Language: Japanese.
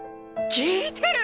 聴いてる。